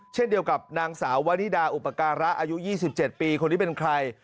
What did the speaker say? เช่นเดียวกับนางสาววานิดาอุปการะอายุ๒๗ปีคนนี้เป็นใคร